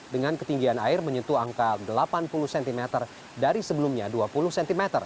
dengan ketinggian air menyentuh angka delapan puluh cm dari sebelumnya dua puluh cm